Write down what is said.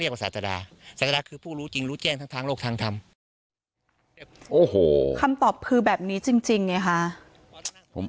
ไปต่อกันทำคำตอบผือแบบนี้จริงจริงไงคะผม